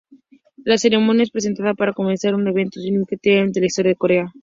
La ceremonia es presentada para conmemorar un evento significante en la historia de Corea.